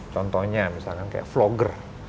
contohnya misalkan kayak vlogger